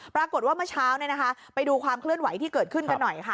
ปรากฏว่าเมื่อเช้าเนี่ยนะคะไปดูความเคลื่อนไหวที่เกิดขึ้นกันหน่อยค่ะ